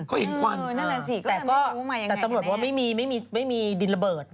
เขาเห็นควันนั่นแหละสิก็ไม่รู้มายังไงแน่แต่ตำรวจว่าไม่มีดินระเบิด